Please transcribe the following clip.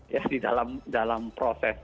ya di dalam proses